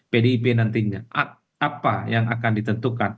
pdip nantinya apa yang akan ditentukan